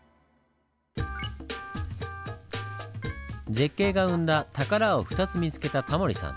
絶景が生んだ宝を２つ見つけたタモリさん。